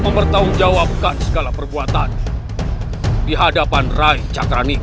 mempertahun jawabkan segala perbuatan dihadapan rai cakanika